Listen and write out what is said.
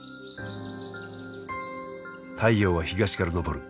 太陽は東から昇る。